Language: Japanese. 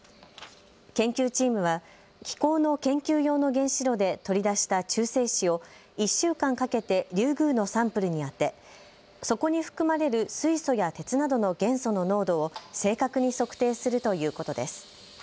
研究チームは機構の研究用の原子炉で取り出した中性子を１週間かけてリュウグウのサンプルに当てそこに含まれる水素や鉄などの元素の濃度を正確に測定するということです。